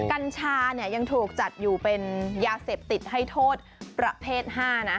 กัญชาเนี่ยยังถูกจัดอยู่เป็นยาเสพติดให้โทษประเภท๕นะ